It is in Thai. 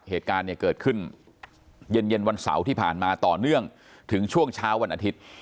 เหตุการณ์เนี่ยเกิดขึ้นเย็นวันเสาร์ที่ผ่านมาต่อเนื่องถึงช่วงเช้าวันอาทิตย์